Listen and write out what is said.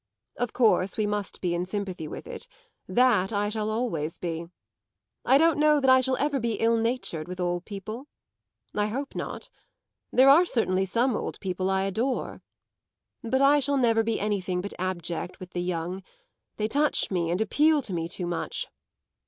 Of course we must be in sympathy with it that I shall always be. I don't know that I shall ever be ill natured with old people I hope not; there are certainly some old people I adore. But I shall never be anything but abject with the young; they touch me and appeal to me too much.